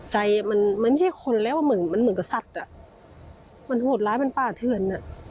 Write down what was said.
ใจมันไม่ใช่คนแล้วมันเหมือนกับสัตว์มันโหดร้ายมันป้าเทือน